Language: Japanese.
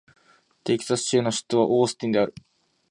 テキサス州の州都はオースティンである